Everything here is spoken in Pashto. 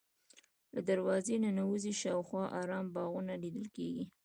له دروازې ننوځې شاوخوا ارام باغونه لیدل کېږي.